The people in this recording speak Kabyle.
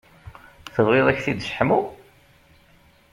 Tebɣiḍ ad k-t-id-sseḥmuɣ?